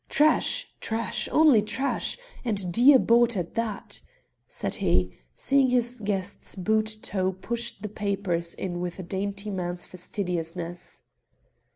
"Trash! trash! Only trash, and dear bought at that," said he, seeing his guest's boot toe push the papers in with a dainty man's fastidiousness.